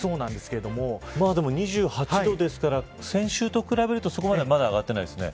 けれでも、２８度ですから先週と比べると、そこまではまだ上がっていないですね。